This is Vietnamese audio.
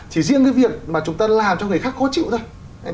chỉ riêng cái việc mà chúng ta làm cho người khác khó chịu thôi